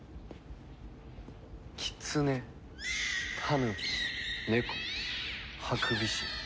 キツネタヌキネコハクビシン。